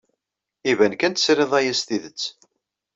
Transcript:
Iban kan tesrid aya s tidet.